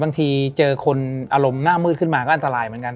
บางทีเจอคนอารมณ์หน้ามืดขึ้นมาก็อันตรายเหมือนกัน